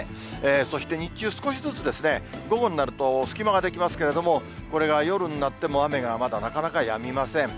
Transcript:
そして、日中、少しずつ、午後になると隙間が出来ますけれども、これが夜になっても雨がまだなかなかやみません。